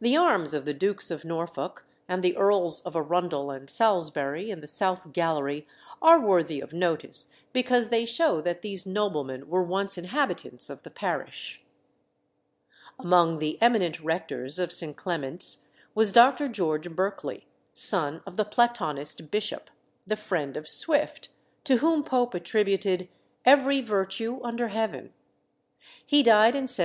The arms of the Dukes of Norfolk and the Earls of Arundel and Salisbury, in the south gallery, are worthy of notice, because they show that these noblemen were once inhabitants of the parish. Among the eminent rectors of St. Clement's was Dr. George Berkeley, son of the Platonist bishop, the friend of Swift, to whom Pope attributed "every virtue under heaven." He died in 1798.